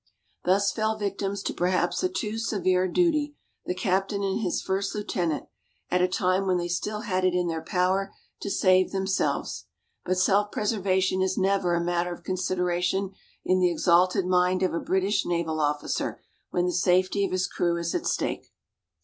Thus fell victims to perhaps a too severe duty, the captain and his first lieutenant, at a time when they still had it in their power to save themselves; but self preservation is never a matter of consideration in the exalted mind of a British naval officer, when the safety of his crew is at stake.